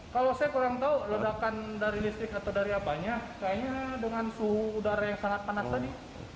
kalau saya kurang tahu ledakan dari listrik atau dari apanya kayaknya dengan suhu udara yang sangat panas tadi